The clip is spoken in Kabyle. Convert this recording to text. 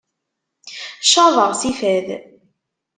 Caḍeɣ si fad.